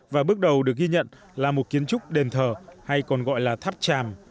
và bước đầu được ghi nhận là một kiến trúc đền thờ hay còn gọi là tháp tràm